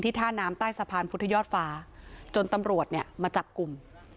ท่าน้ำใต้สะพานพุทธยอดฟ้าจนตำรวจเนี่ยมาจับกลุ่ม